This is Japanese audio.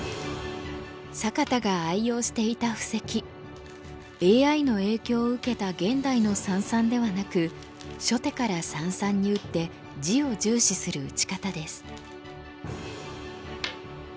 坂田が愛用していた布石ＡＩの影響を受けた現代の三々ではなく初手から三々に打って地を重視する打ち方です。